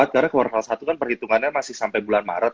karena kuartal satu kan perhitungannya masih sampai bulan maret